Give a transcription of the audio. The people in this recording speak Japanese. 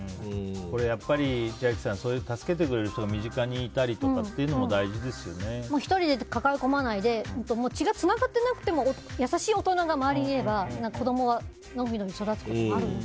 やっぱり、千秋さんそういう助けてくれる人が身近にいることも１人で抱え込まないで血がつながってなくても優しい大人が周りにいれば子供は伸び伸びと育つこともあるので。